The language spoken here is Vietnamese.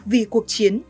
vì cuộc chiến